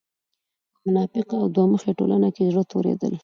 په منافقه او دوه مخې ټولنه کې زړۀ توريدل